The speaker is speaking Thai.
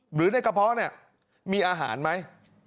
หรือในกระเพาะเนี่ยมีอาหารไหม